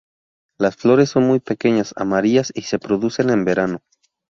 Las flores son muy pequeñas, amarillas y se producen en verano.